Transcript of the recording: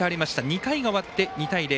２回が終わって２対０。